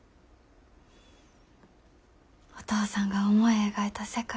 お父さんが思い描いた世界。